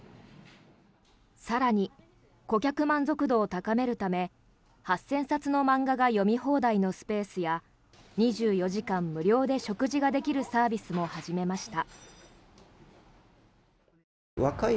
更に、顧客満足度を高めるため８０００冊の漫画が読み放題のスペースや２４時間無料で食事ができるサービスも始めました。